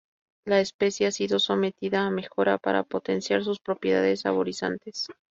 La especie ha sido sometida a mejora para potenciar sus propiedades saborizantes.